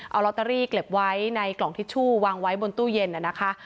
เอาลอตเตอรี่เก็บไว้ในกล่องทิชชู่วางไว้บนตู้เย็นนะคะ